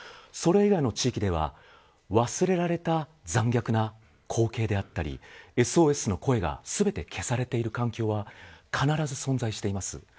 それ以外の地域では忘れられた残虐な光景であったりＳＯＳの声が全て消されている環境は必ず存在しています。